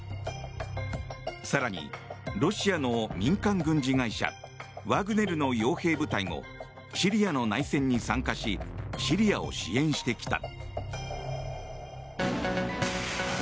更に、ロシアの民間軍事会社ワグネルの傭兵部隊もシリアの内戦に参加しシリアを支援してきた。